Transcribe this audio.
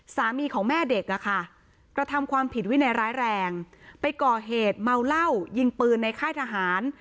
สามีของแม่เด็กอะค่ะกระทำความผิดวินัยร้ายแรงไปก่อเหตุเมาเหล้ายิงปืนในค่ายทหาร